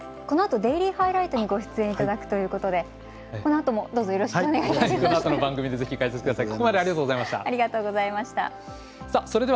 このあと「デイリーハイライト」にご出演いただくということでこのあともどうぞよろしくお願いいたします。